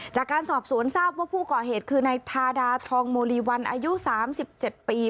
จากการสอบสวนทราบว่าผู้ก่อเหตุคือนายทาดาทองโมลีวันอายุ๓๗ปี